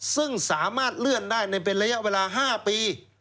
ซึ่งสามารถเลื่อนได้ในเป็นระยะเวลา๕ปี